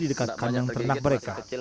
di dekat kandang ternak mereka